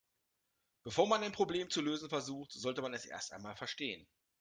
Bevor man ein Problem zu lösen versucht, sollte man es erst einmal verstehen.